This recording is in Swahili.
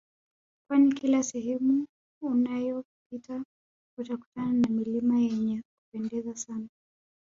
Kwani kila sehemu unayopita utakutana na milima yenye Kupendeza sana